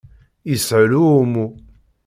Yeshel uɛummu.